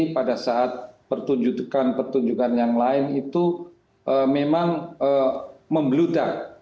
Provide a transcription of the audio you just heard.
pada saat pertunjukan pertunjukan yang lain itu memang membludak